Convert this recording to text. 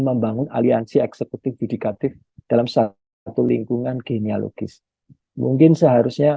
membangun aliansi eksekutif yudikatif dalam satu lingkungan kimialogis mungkin seharusnya